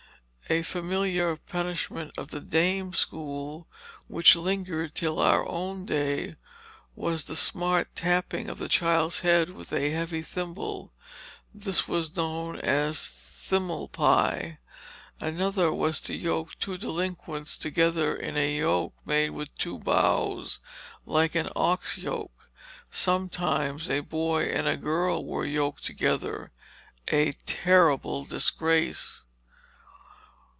A familiar punishment of the dame school, which lingered till our own day, was the smart tapping of the child's head with a heavy thimble; this was known as "thimell pie." Another was to yoke two delinquents together in a yoke made with two bows like an ox yoke. Sometimes times a boy and girl were yoked together a terrible disgrace.